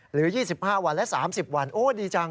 หรือ๒๕วันและ๓๐วันโอ้ดีจัง